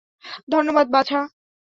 ধন্যবাদ, বাছা।